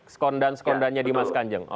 sekondan sekondannya dimas kanjeng